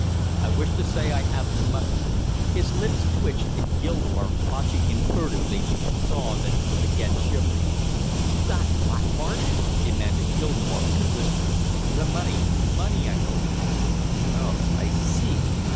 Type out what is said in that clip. I wish to say I have the money " His lips twitched, and Gilmore, watching him furtively, saw that he was again shivering. "You got what, Marsh?" demanded Gilmore in a whisper. "The money, the money I owe you!" "Oh, I see!"